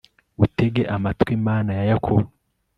utege amatwi, mana ya yakobo